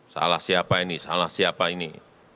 salah siapa ini salah siapa ini